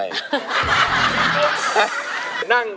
เมื่อสักครู่นี้ถูกต้องทั้งหมด